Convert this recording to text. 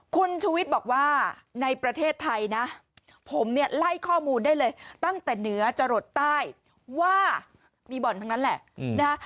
คุณชุวิตบอกว่าในประเทศไทยนะผมเนี่ยไล่ข้อมูลได้เลยตั้งแต่เหนือจรดใต้ว่ามีบ่อนทั้งนั้นแหละนะฮะ